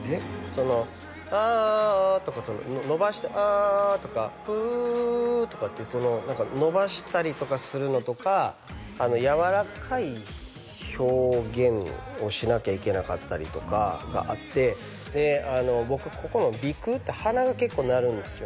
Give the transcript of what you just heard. その「あああ」とかのばして「あ」とか「う」とかっていうこののばしたりとかするのとかやわらかい表現をしなきゃいけなかったりとかがあってで僕ここの鼻くうって鼻が結構鳴るんですよ